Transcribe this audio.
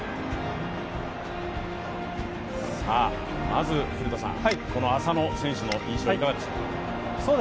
まず古田さん、浅野選手の印象はいかがでしょう？